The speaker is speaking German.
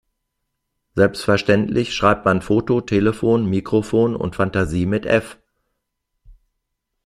Selbstverständlich schreibt man Foto, Telefon, Mikrofon und Fantasie mit F.